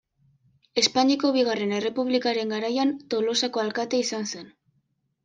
Espainiako Bigarren Errepublikaren garaian Tolosako alkate izan zen.